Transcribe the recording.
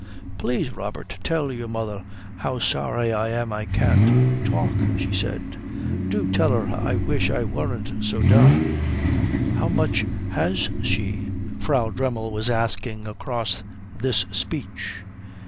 "Please, Robert, tell your mother how sorry I am I can't talk," she said. "Do tell her I wish I weren't so dumb." "How much has she?" Frau Dremmel was asking across this speech.